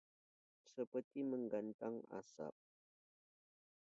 Seperti menggantang asap